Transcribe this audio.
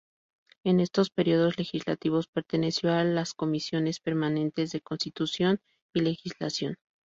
En estos períodos legislativos perteneció a las Comisiones permanentes de Constitución y Legislación.